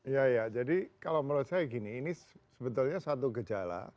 ya ya jadi kalau menurut saya gini ini sebetulnya satu gejala